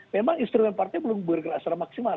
memang instrumen partai belum bergerak secara maksimal